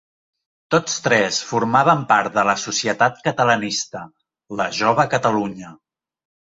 Tots tres formaven part de la societat catalanista, La Jove Catalunya.